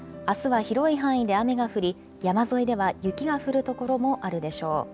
あすは広い範囲で雨が降り、山沿いでは雪が降る所もあるでしょう。